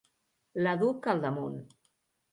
La duc al damunt.